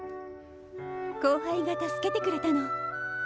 後輩が助けてくれたの。